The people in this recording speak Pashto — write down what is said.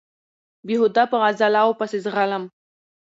بېهوده په غزاله وو پسې ځغلم